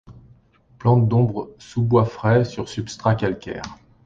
Plante d'ombre, sous-bois frais sur substrats calcaires.